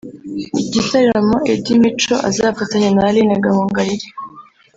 Icyi gitaramo Eddie Mico azafatanya na Aline Gahongayire